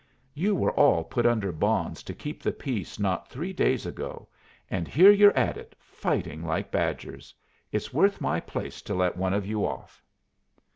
You were all put under bonds to keep the peace not three days ago, and here you're at it fighting like badgers. It's worth my place to let one of you off."